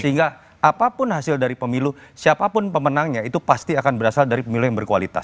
sehingga apapun hasil dari pemilu siapapun pemenangnya itu pasti akan berasal dari pemilu yang berkualitas